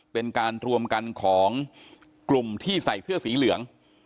เป็นการรวมกันของกลุ่มที่ใส่เสื้อสีเหลือง